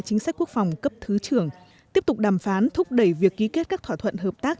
chính sách quốc phòng cấp thứ trưởng tiếp tục đàm phán thúc đẩy việc ký kết các thỏa thuận hợp tác